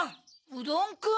うどんくん。